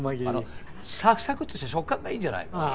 あのサクサクとした食感がいいんじゃないか。